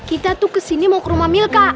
kita tuh kesini mau ke rumah milka